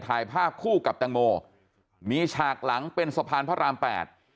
ถ่ายภาพคู่กับแตงโมมีฉากหลังเป็นสะพานพระรามแปด